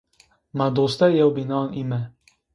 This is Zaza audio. Ma dostê yewbînan îme